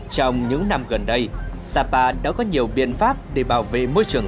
trong những năm gần đây sapa đã có nhiều biện pháp để bảo vệ